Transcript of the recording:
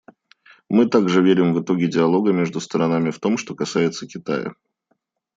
Мы также верим в итоги диалога между сторонами в том, что касается Китая.